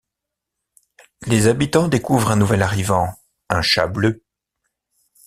Les habitants découvrent un nouvel arrivant, un Chat Bleu.